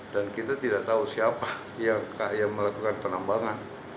dan kita tidak tahu siapa yang melakukan penambangan